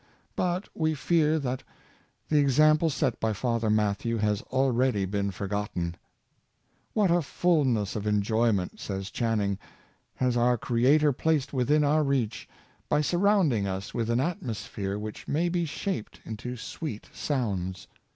But we fear that the example set by Father Mathew has already been forgotton. " What a fulness of enjoyment," says Channing, "has our Greater placed within our reach, by surrounding us with an atmosphere which ma}^ be shaped into sweet sounds!